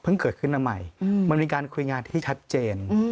เกิดขึ้นมาใหม่มันมีการคุยงานที่ชัดเจน